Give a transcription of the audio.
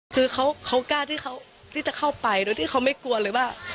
คือเขากล้าที่เขาที่จะเข้าไปโดยที่เขาไม่กลัวเลยว่า